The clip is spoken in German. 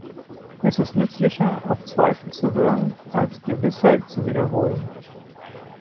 Es ist nützlicher, auf Zweifel zu hören, als Gewissheiten zu wiederholen.